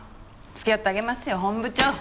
付き合ってあげますよ本部長！